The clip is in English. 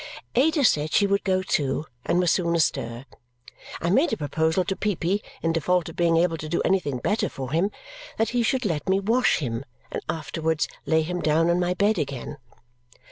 Ada said she would go too, and was soon astir. I made a proposal to Peepy, in default of being able to do anything better for him, that he should let me wash him and afterwards lay him down on my bed again.